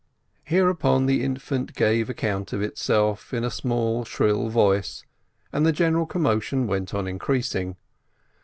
Hereupon the infant gave account of itself in a small, shrill voice, and the general commotion went on increas ing.